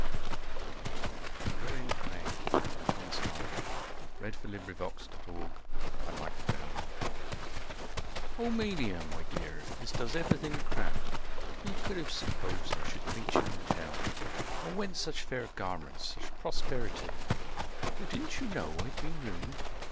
com The Ruined Maid, by Thomas Hardy THE RUINED MAID by: Thomas Hardy (1840 1928) " 'Melia, my dear, this does everything crown! Who could have supposed I should meet you in Town? And whence such fair garments, such prosperi ty?" "O didn't you know I'd been ruined?"